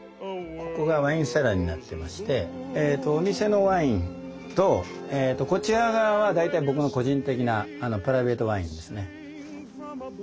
ここがワインセラーになってましてお店のワインとこちら側は大体僕の個人的なプライベートワインですね。